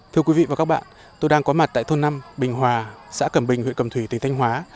thưa quý vị và các bạn tôi đang có mặt tại thôn năm bình hòa xã cẩm bình huyện cầm thủy tỉnh thanh hóa